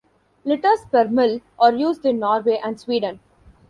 Litres per mil are used in Norway and Sweden.